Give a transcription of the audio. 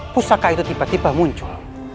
pusaka itu tiba tiba muncul